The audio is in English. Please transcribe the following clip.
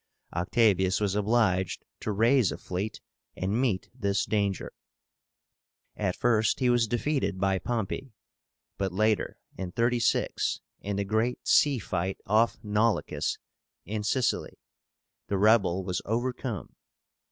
Octavius was obliged to raise a fleet and meet this danger. At first he was defeated by Pompey, but later, in 36, in the great sea fight off NAULOCHUS in Sicily, the rebel was overcome.